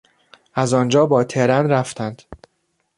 از آنجا با ترن رفتند.